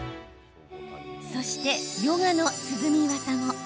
そして、ヨガの涼み技も。